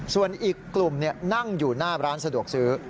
ส่วนอีกกลุ่มนั่งอยู่หน้าร้านสะดวกซื้อ